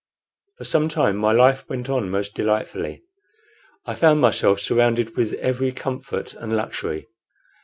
For some time my life went on most delightfully. I found myself surrounded with every comfort and luxury.